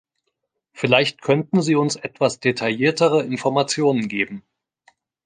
Vielleicht könnten Sie uns etwas detailliertere Informationen geben.